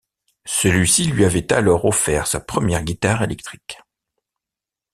Celui-ci lui avait alors offert sa première guitare électrique.